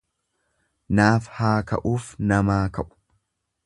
Naaf haa ka'uuf namaa ka'u.